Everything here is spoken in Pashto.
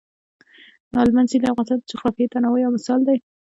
هلمند سیند د افغانستان د جغرافیوي تنوع یو مثال دی.